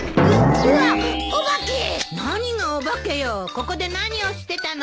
ここで何をしてたの？